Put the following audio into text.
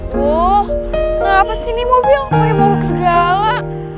tuh kenapa sih nih mobil aku ini mogok segala